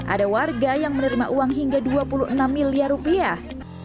ada warga yang menerima uang hingga dua puluh enam miliar rupiah